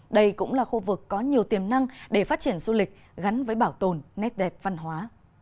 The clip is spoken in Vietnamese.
đây cũng là khu vực có nhiều tiềm năng để phát triển du lịch gắn với bảo tồn nét đẹp văn hóa